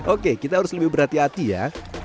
oke kita harus lebih berhati hati ya